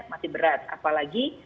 masih berat apalagi